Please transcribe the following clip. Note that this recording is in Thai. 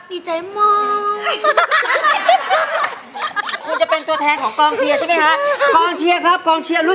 ดีใจมาก